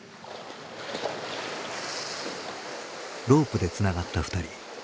ロープでつながった２人。